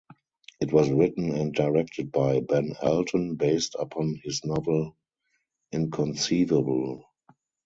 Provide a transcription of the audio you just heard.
It was written and directed by Ben Elton, based upon his novel "Inconceivable".